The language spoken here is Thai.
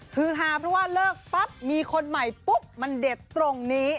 คือฮาเพราะว่าเลิกปั๊บมีคนใหม่ปุ๊บมันเด็ดตรงนี้